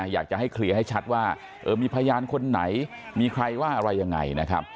อยากให้เคลียร์ให้ชัดว่ามีพยานคนไหนมีใครว่าอะไรอย่างไร